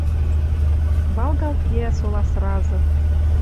Валгалт кеӓ сола сразы